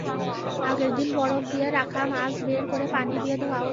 আগের দিন বরফ দিয়ে রাখা মাছ বের করে পানি দিয়ে ধোয়া হচ্ছে।